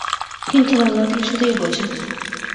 কিন্তু বাবা কিছুতেই বোঝেন না।